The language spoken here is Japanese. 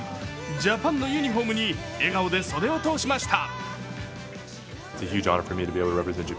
ジャパンのユニフォームに笑顔で袖を通しました。